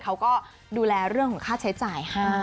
เขาก็ดูแลเรื่องของค่าใช้จ่ายให้